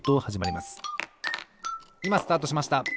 いまスタートしました！